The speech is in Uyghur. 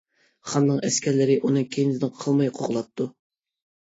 خاننىڭ ئەسكەرلىرى ئۇنىڭ كەينىدىن قالماي قوغلاپتۇ.